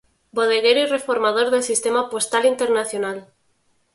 Bodeguero y reformador del sistema postal internacional.